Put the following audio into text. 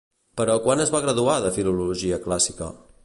Però quan es va graduar de Filologia Clàssica?